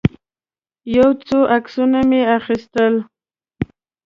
یو څو عکسونه مې واخیستل.